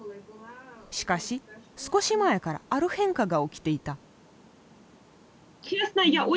しかし少し前からある変化が起きていた。